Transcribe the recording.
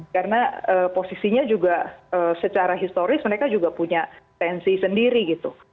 karena posisinya juga secara historis mereka juga punya tensi sendiri gitu